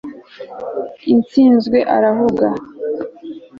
atsinzwe arahunga